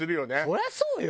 そりゃそうよ！